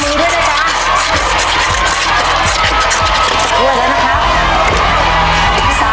ไปเรื่อย